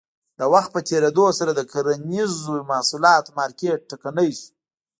د وخت په تېرېدو سره د کرنیزو محصولاتو مارکېټ ټکنی شو.